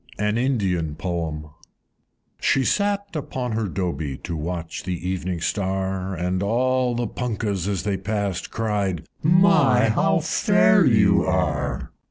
An Indian Poem. I. She sate upon her Dobie, To watch the Evening Star, And all the Punkahs, as they passed, Cried, "My! how fair you are!"